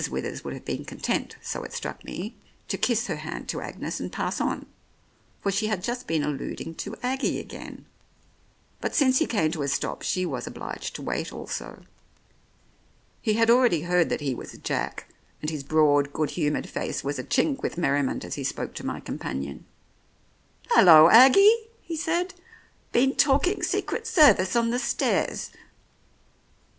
Withers would have been con tent, so it struck me, to kiss her hand to Agnes and pass on, for she had just been alluding to Aggie again, but since he came to a stop, she was obliged to wait also. He had already heard that he was "Jack," and his broad good humoured face was a chink with merriment as he spoke to my companion. "Hallo, Aggie!" he said. "Been talking Secret Service on the stairs?